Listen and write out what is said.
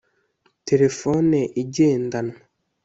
telefoni igendanwa